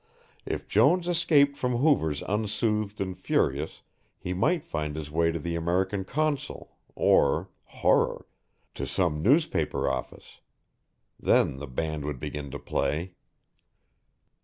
If Jones escaped from Hoover's unsoothed and furious he might find his way to the American Consul or, horror! to some newspaper office. Then the band would begin to play.